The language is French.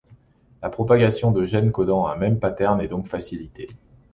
La propagation de gènes codant un même pattern est donc facilitée.